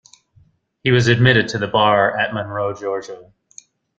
He was admitted to the Bar at Monroe, Georgia.